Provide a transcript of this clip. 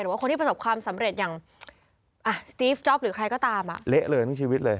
เหละเลยตั้งชีวิตเลย